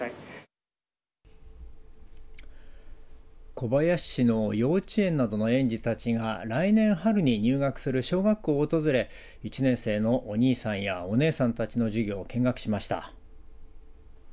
小林市の幼稚園などの園児たちが来年春に入学する小学校を訪れ１年生のお兄さんやお姉さんたちの授業を見学しました。